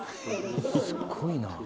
すごいな。